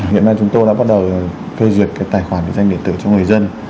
hiện nay chúng tôi đã bắt đầu phê duyệt cái tài khoản định danh điện tử cho người dân